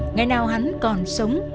ngày nào hắn còn sống